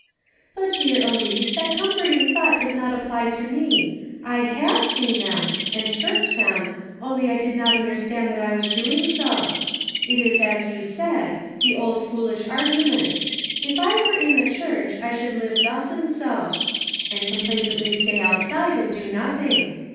But, dear Elice, that comforting thought does not apply to me ; I have seen them, and shirked them, only I did not understand that I was doing so. It is as you said, the old foolish argument :' If I were in the Church, I should live thus and so,' and complacently stay outside and do nothing.